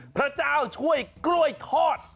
พระเจ้าช่วยกล้วยทอด